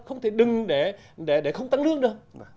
không thể đừng để không tăng lương được